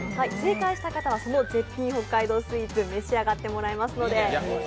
正解した方はその絶品北海道スイーツ召し上がっていただけますので。